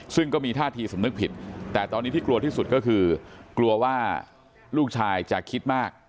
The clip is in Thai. ซึ่งก็มีท่าทีสำนึกผิดแต่ตอนนี้ที่กลัวที่สุดก็คือกลัวว่าลูกชายจะคิดมาก